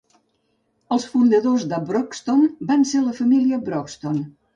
Els fundadors de Broxton van ser la família Broxton.